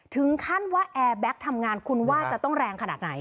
ถึงขั้นว่าแอร์แบ็คทำงานคุณว่าจะต้องแรงขนาดไหน